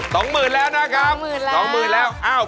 ๒หมื่นแล้วนะครับ